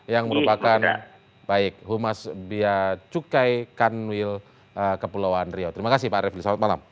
yang merupakan humas beacukai kanwil kepulauan rio terima kasih pak refli selamat malam